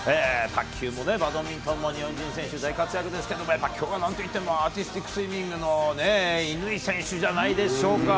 卓球もバドミントンも日本人選手、大活躍ですけれども、やっぱ、きょうはなんといっても、アーティスティックスイミングの乾選手じゃないでしょうか。